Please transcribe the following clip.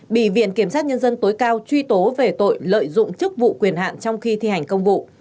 bị viện kiểm sát nhân dân tối cao truy tố về tội lợi dụng chức vụ quyền hạn trong khi thi hành công vụ